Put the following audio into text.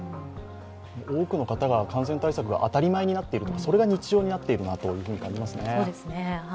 多くの方が感染対策が当たり前になっている、それが日常になっていると感じますね。